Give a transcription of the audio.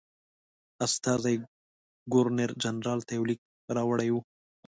استازي ګورنرجنرال ته یو لیک راوړی وو.